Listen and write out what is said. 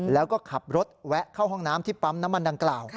แล้วก็ขับรถแวะเข้าห้องน้ำที่ปั๊มน้ำมันดังกล่าว